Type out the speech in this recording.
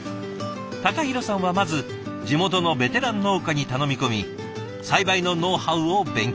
隆弘さんはまず地元のベテラン農家に頼み込み栽培のノウハウを勉強。